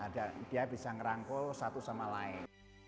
dia bisa merangkul satu sama lain